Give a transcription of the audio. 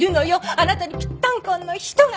あなたにピッタンコンの人が！